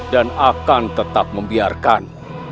dan akan tetap membiarkan